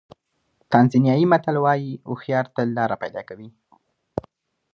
تانزانیایي متل وایي هوښیار تل لاره پیدا کوي.